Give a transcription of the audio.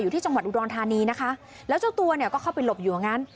ที่จังหวัดอุดรธานีนะคะแล้วเจ้าตัวเนี่ยก็เข้าไปหลบอยู่อย่างนั้น